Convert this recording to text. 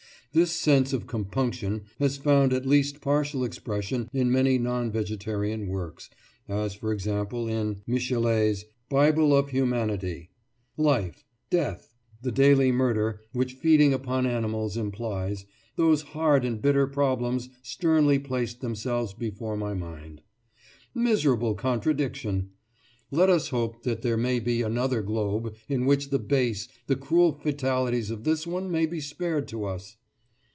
This sense of compunction has found at least partial expression in many non vegetarian works, as, for example, in Michelet's "Bible of Humanity." "Life—death! The daily murder which feeding upon animals implies—those hard and bitter problems sternly placed themselves before my mind. Miserable contradiction! Let us hope that there may be another globe in which the base, the cruel fatalities of this one may be spared to us!"